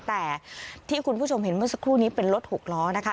แต่ที่คุณผู้ชมเห็นเมื่อสักครู่นี้เป็นรถหกล้อนะคะ